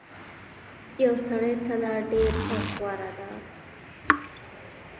يو سړي ته دا ډير غوره ده